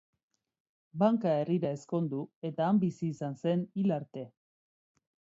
Banka herrira ezkondu eta han bizi izan zen hil arte.